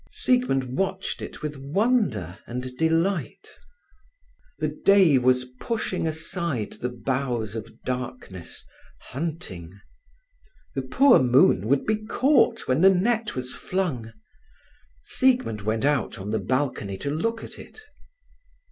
Siegmund watched it with wonder and delight. The day was pushing aside the boughs of darkness, hunting. The poor moon would be caught when the net was flung. Siegmund went out on the balcony to look at it.